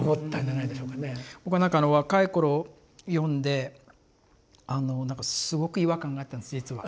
僕はなんか若い頃読んでなんかすごく違和感があったんです実は。